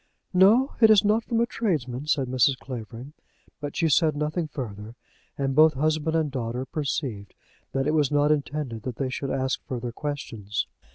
"No; it's not from a tradesman," said Mrs. Clavering. But she said nothing further, and both husband and daughter perceived that it was not intended that they should ask further questions.